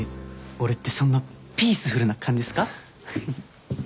俺ってそんなピースフルな感じっすか？